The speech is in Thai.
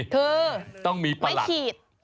คือไม่ขีด